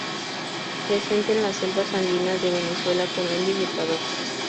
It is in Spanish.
Presente en las selvas andinas de Venezuela, Colombia y Ecuador.